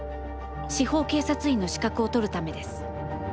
司法警察員の資格を取るためです。